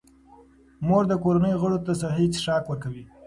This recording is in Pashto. مور د کورنۍ غړو ته صحي څښاک ورکوي.